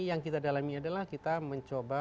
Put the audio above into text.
yang kita dalami adalah kita mencoba